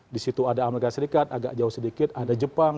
di situ ada amerika serikat agak jauh sedikit ada jepang